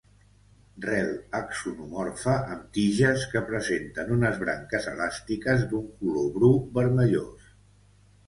Rel axonomorfa amb tiges que presenten unes branques elàstiques d'un color bru vermellós.